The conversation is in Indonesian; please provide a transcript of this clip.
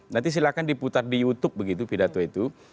nanti silahkan diputar di youtube begitu pidato itu